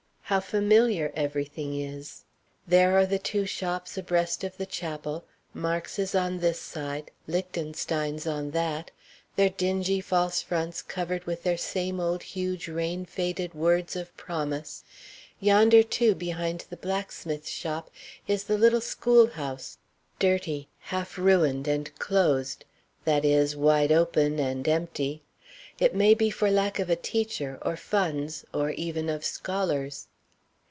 How familiar every thing is! There are the two shops abreast of the chapel, Marx's on this side, Lichtenstein's on that, their dingy false fronts covered with their same old huge rain faded words of promise. Yonder, too, behind the blacksmith's shop, is the little schoolhouse, dirty, half ruined, and closed that is, wide open and empty it may be for lack of a teacher, or funds, or even of scholars.